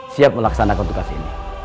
siap melaksanakan tugas ini